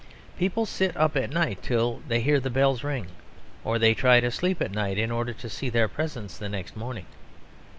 People sit up at night until they hear the bells ring. Or they try to sleep at night in order to see their presents the next morning.